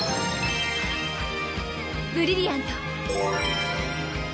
ブリリアント！